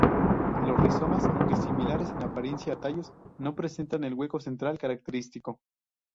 Los rizomas aunque similares en apariencia a tallos no presentan el hueco central característico.